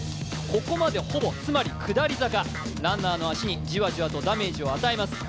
ここまでほぼ下り坂、ランナーの足にじわじわとダメージを与えます。